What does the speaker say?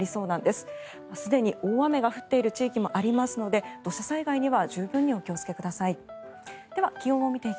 すでに大雨が降っている地域もありますので土砂災害には十分にお気をつけください。